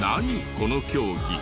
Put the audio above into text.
この競技。